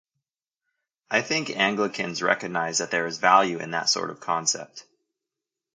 I think Anglicans recognise that there is value in that sort of concept.